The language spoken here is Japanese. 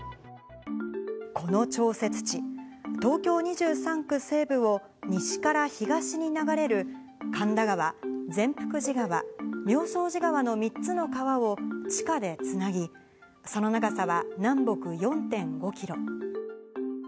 この調節池、東京２３区西部を西から東に流れる、神田川、善福寺川、妙正寺川の３つの川を地下でつなぎ、その長さは南北４．５キロ。